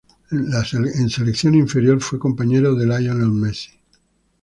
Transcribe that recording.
En selección inferior fue compañero de Lionel Messi.